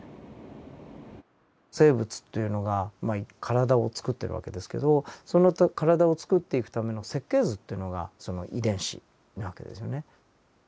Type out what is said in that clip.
生物というのがまあ体をつくってる訳ですけどその体をつくっていくための設計図というのがその遺伝子な訳ですよね。